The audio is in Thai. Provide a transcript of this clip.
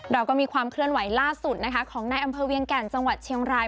เราก็มีความเคลื่อนไหวล่าสุดนะคะของในอำเภอเวียงแก่นจังหวัดเชียงราย